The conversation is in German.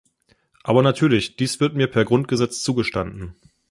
Aber natürlich, dies wird mir per Grundgesetz zugestanden.